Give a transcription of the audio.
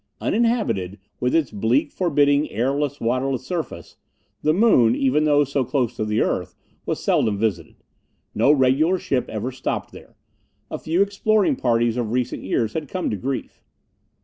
Uninhabited, with its bleak, forbidding, airless, waterless surface, the Moon even though so close to the Earth was seldom visited. No regular ship ever stopped there. A few exploring parties of recent years had come to grief.